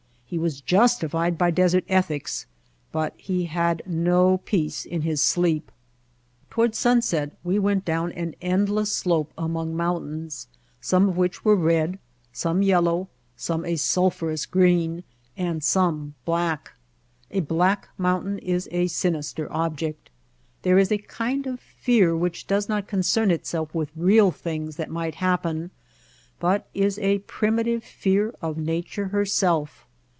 He was justified by desert ethics, but he had no peace in his sleep. Toward sunset we went down an endless slope among mountains, some of which were red, some yellow, some a sulphurous green, and some black. A black mountain is a sinister object. There is a kind of fear which does not concern itself with real things that might happen, but is a primitive fear of nature herself.